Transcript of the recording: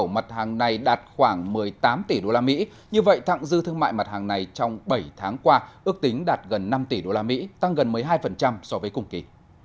mặt hàng này đạt khoảng một mươi tám tỷ usd như vậy thẳng dư thương mại mặt hàng này trong bảy tháng qua ước tính đạt gần năm tỷ usd tăng gần một mươi hai so với cùng kỳ